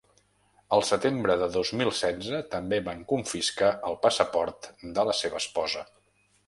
El setembre de dos mil setze, també van confiscar el passaport de la seva esposa.